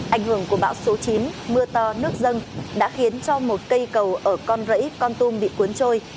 ảnh hưởng của bão số chín mưa to nước dâng đã khiến cho một cây cầu ở con rẫy con tum bị cuốn trôi